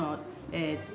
えっと